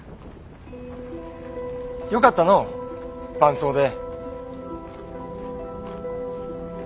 よかったのう伴奏で。